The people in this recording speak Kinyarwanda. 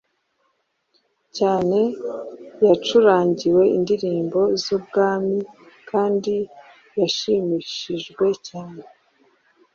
cyane yacurangiwe indirimbo z ubwami kandi yashimishijwe cyane